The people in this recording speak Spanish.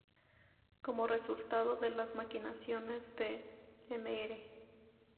Como resultado, de las maquinaciones de Mr.